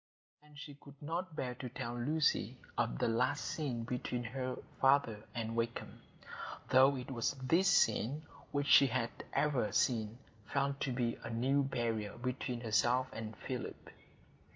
And she could not bear to tell Lucy of the last scene between her father and Wakem, though it was this scene which she had ever since felt to be a new barrier between herself and Philip.